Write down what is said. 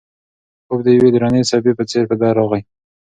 خوب د یوې درنې څپې په څېر په ده راغی.